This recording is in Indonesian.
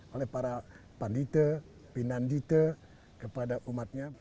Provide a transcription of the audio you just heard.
oleh para pandita pinandita kepada umatnya